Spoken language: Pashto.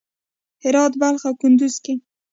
هرات، بلخ او کندز کې